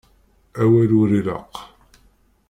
Awal ur ilaq.